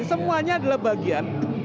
semuanya adalah bagian